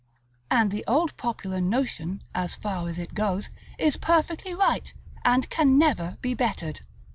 And the old popular notion, as far as it goes, is perfectly right, and can never be bettered.